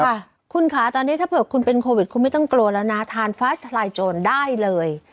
ค่ะคุณค่ะตอนนี้ถ้าเผื่อคุณเป็นโควิดคุณไม่ต้องกลัวแล้วนะทานฟ้าทลายโจรได้เลย